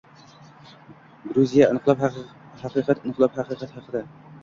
Gruziya: Inqilob haqiqat inqilobi haqiqati haqida